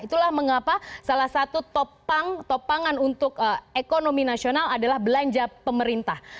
itulah mengapa salah satu topangan untuk ekonomi nasional adalah belanja pemerintah